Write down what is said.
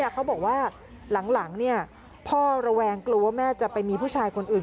เขาบอกว่าหลังพ่อระแวงกลัวว่าแม่จะไปมีผู้ชายคนอื่น